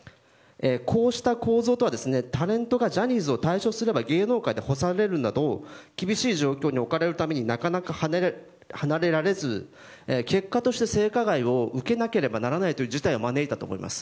こうした構造とはタレントがジャニーズを退所すれば芸能界で干されるなど厳しい状況に置かれるためになかなか離れられず結果として性加害を受けなければならない事態を招いたと思います。